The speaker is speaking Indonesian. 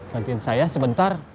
nantiin saya sebentar